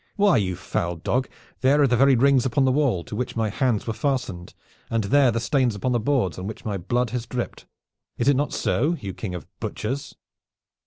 Why, you foul dog, there are the very rings upon the wall to which my hands were fastened, and there the stains upon the boards on which my blood has dripped! Is it not so, you king of butchers?"